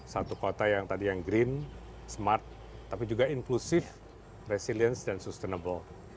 satu kota yang tadi yang green smart tapi juga inclusive resilience dan sustainable